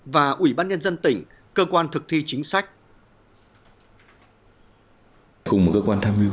và ủy ban nhân dân tỉnh cơ quan thực thi chính sách